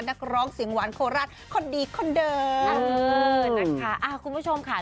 นักร้องเสียงหวานโคราชคนดีคนเดิม